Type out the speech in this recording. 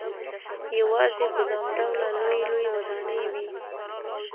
یوازې ګدام ډوله لويې لويې ودانۍ وې.